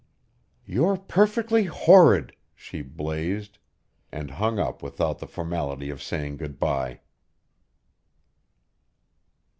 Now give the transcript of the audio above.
"You're perfectly horrid," she blazed, and hung up without the formality of saying good bye.